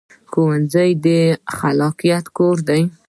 ښوونځی د خلاقیت کور دی